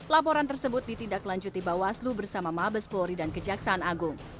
laporan tersebut ditindaklanjuti bawaslu bersama mabes polri dan kejaksaan agung